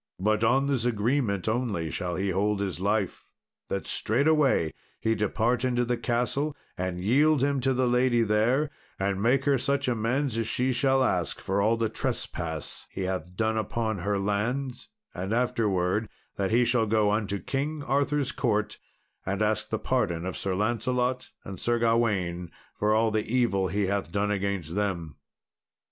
But on this agreement only shall he hold his life that straightway he depart into the castle, and yield him to the lady there, and make her such amends as she shall ask, for all the trespass he hath done upon her lands; and afterwards, that he shall go unto King Arthur's court, and ask the pardon of Sir Lancelot and Sir Gawain for all the evil he hath done against them."